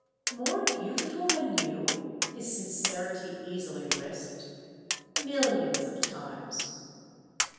"More beautiful than you?" his sincerity easily risked. "Millions of times."